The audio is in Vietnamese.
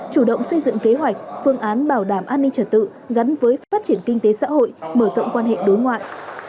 chủ động xây dựng kế hoạch phương án bảo đảm an ninh trật tự gắn với phát triển kinh tế xã hội mở rộng quan hệ đối ngoại